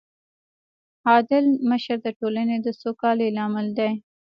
عادل مشر د ټولنې د سوکالۍ لامل دی.